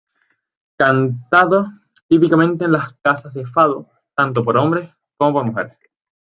Cantado típicamente en las "casas de fado", tanto por hombres como por mujeres.